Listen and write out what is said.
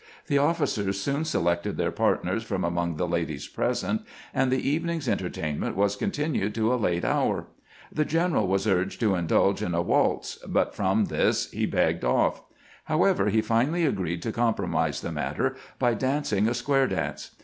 The offi cers soon selected their partners from among the ladies present, and the evening's entertainment was continued to a late hour. The general was urged to indulge in a waltz, but from this he begged off. However, he finally 394 CAMPAIGNING WITH GKANT agreed to compromise the matter by dancing a square dance.